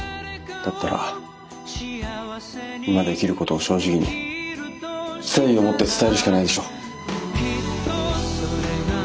だったら今できることを正直に誠意を持って伝えるしかないでしょ。